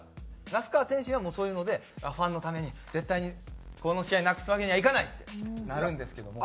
那須川天心はもうそういうのでファンのために絶対にこの試合なくすわけにはいかない！ってなるんですけども。